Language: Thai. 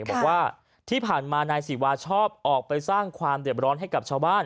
บอกว่าที่ผ่านมานายศิวาชอบออกไปสร้างความเด็บร้อนให้กับชาวบ้าน